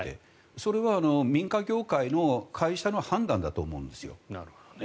それは民間業界の会社の判断だと思うんですよ。